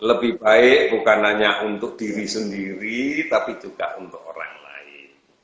lebih baik bukan hanya untuk diri sendiri tapi juga untuk orang lain